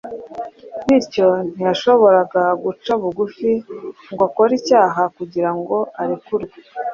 bityo ntiyashoboraga guca bugufi ngo akore icyaha kugira ngo arekurwe